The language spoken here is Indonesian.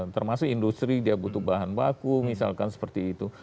termasuk industri dia butuh bahan baku misalkan seperti itu